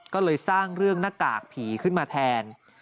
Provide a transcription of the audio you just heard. ก็เลยสร้างเรื่องหน้ากากผีขึ้นมาแทน